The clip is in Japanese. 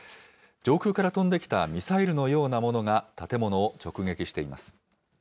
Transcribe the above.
上空から飛んできたミサイルのようなものが、建物を直撃しています。